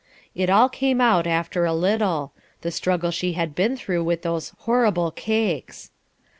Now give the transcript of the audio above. It all came out after a little; the struggle she had been through with those "horrible cakes."